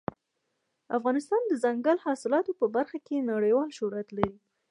افغانستان د دځنګل حاصلات په برخه کې نړیوال شهرت لري.